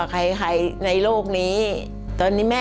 รายการต่อไปนี้เป็นรายการทั่วไปสามารถรับชมได้ทุกวัย